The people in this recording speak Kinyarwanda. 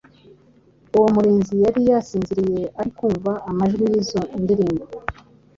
Uwo murinzi yari yasinziye ari kumva amajwi y’izo ndirimbo